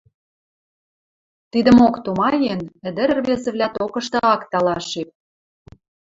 Тидӹмок тумаен, ӹдӹр-ӹрвезӹвлӓ токышты ак талашеп.